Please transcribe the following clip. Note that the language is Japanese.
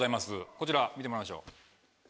こちら見てもらいましょう。